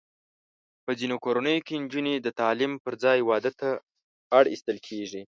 په ځینو کورنیو کې نجونې د تعلیم پر ځای واده ته اړ ایستل کېږي.